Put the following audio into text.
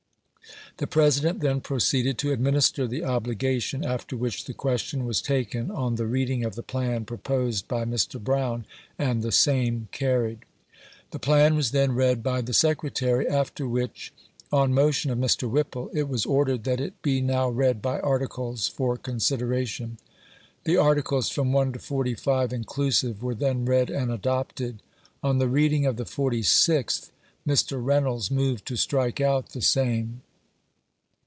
The President then proceeded to administer the obligation, after which MINUTES OF THE CHATHAM CONVENTION. 11 the question i>vas taken on the reading of the plan proposed by Mr. Brown, and the same carried. .,.,,.■! The plan was then read by the Secretary, after which, on motion of Mr. Whipple, it was ordered that it be now read by articles for consideration. The articles from one to forty 4ive, inclusive, were then read and adopted. On the reading of the forty sixth, Mr. Reynolds moved to strike out the same.